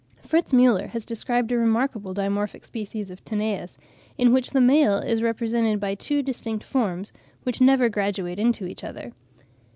Fritz Müller has described a remarkable dimorphic species of Tanais, in which the male is represented by two distinct forms, which never graduate into each other.